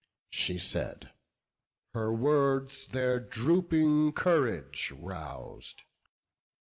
She said: her words their drooping courage rous'd.